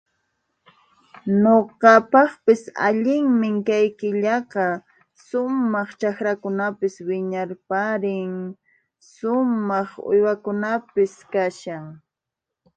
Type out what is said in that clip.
Nuqapaqpis allinmi kay killaqa, sumaq chaqrakunapis wiñarparin, sumaq uywakunapis kashan.